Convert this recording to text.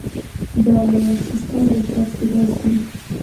ډالۍ اخیستل رشوت کیدی شي